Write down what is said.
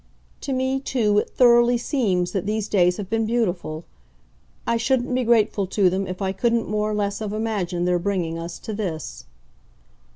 "To me too it thoroughly seems that these days have been beautiful. I shouldn't be grateful to them if I couldn't more or less have imagined their bringing us to this."